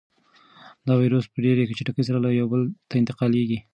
دا وېروس په ډېرې چټکۍ سره له یو بل ته انتقالېږي.